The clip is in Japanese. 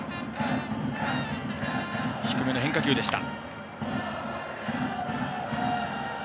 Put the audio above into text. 低めの変化球でした。